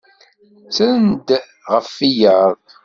Ttren-d ɣef wiyaḍ.